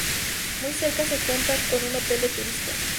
Muy cerca se cuenta con un Hotel de Turistas.